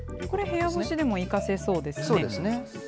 これ、部屋干しでも生かせそうですね。